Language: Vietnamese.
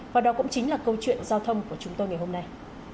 và đó cũng chính là câu chuyện giao thông của chúng tôi ngày hôm nay